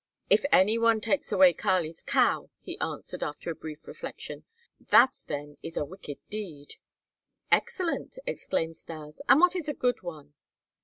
"If any one takes away Kali's cow," he answered after a brief reflection, "that then is a wicked deed." "Excellent!" exclaimed Stas, "and what is a good one?"